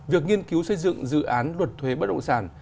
việc nghiên cứu xây dựng dự án luật thuế bất động sản